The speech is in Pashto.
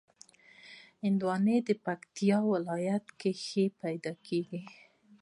هندوانه د پکتیا په ولایت کې ښه پیدا کېږي.